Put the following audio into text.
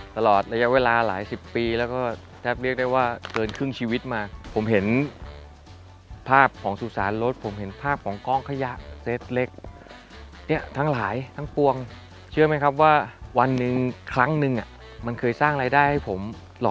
ตลอดระยะเวลาหลายสิบปีแล้วก็แทบเรียกได้ว่าเกินครึ่งชีวิตมาผมเห็นภาพของสุสานรถผมเห็นภาพของกล้องขยะเซตเล็กเนี่ยทั้งหลายทั้งปวงเชื่อไหมครับว่าวันหนึ่งครั้งนึงมันเคยสร้างรายได้ให้ผม